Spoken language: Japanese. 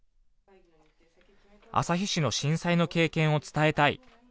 旭市の震災の経験を伝えたい。